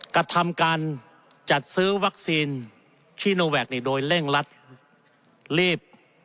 กระทำการจัดซื้อวัคซีนชีโนแวคโดยเร่งรัดรีบ